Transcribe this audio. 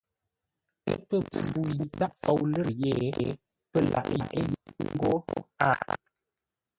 Ə́ pə̂ mpfu yi tâʼ fou lə̌r yé, pə́ lâʼ yé ńgó a.